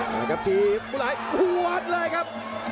มากับทีมกุ้นหลายหัวอัดเลยครับ